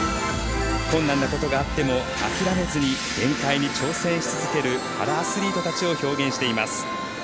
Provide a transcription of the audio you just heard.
困難なことがあっても諦めずに限界に挑戦し続けるパラアスリートたちを表現しています。